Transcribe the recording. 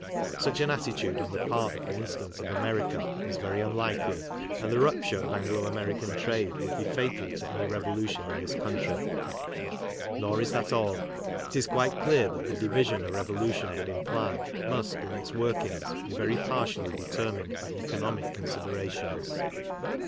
Such an attitude on the part, for instance, of America is very unlikely, and the rupture of Anglo American trade would be fatal to any revolu tion in this country. Nor is that all. It is quite clear that the division a revolution would imply must, in its workings, be very partially determined by economic considerations.